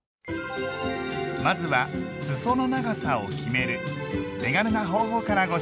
まずはすその長さを決める手軽な方法からご紹介します。